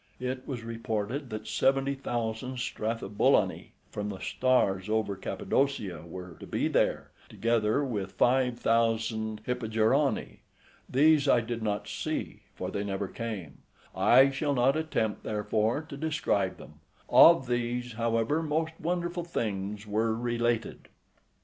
It was reported that seventy thousand Strathobalani {86a} from the stars over Cappadocia were to be there, together with five thousand Hippogerani; {86b} these I did not see, for they never came: I shall not attempt, therefore, to describe them; of these, however, most wonderful things were related.